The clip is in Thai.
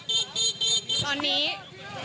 แต่ว่าตอนนี้ค่ะ